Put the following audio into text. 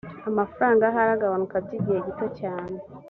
amafaranga ahari agabanuka by igihe gito cyane